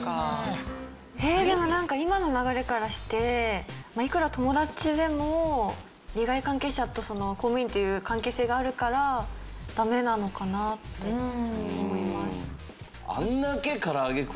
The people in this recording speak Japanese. でもなんか今の流れからしていくら友達でも利害関係者と公務員っていう関係性があるからダメなのかなって思います。